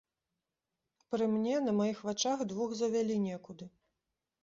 Пры мне, на маіх вачах двух завялі некуды.